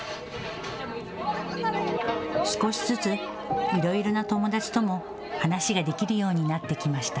少しずついろいろな友達とも話ができるようになってきました。